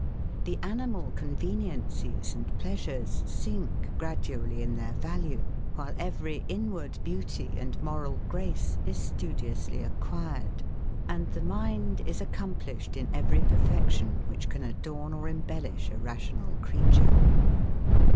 The animal conveniencies and pleasures sink gradually in their value; while every inward beauty and moral grace is studiously acquired, and the mind is accomplished in every perfection, which can adorn or embellish a rational creature.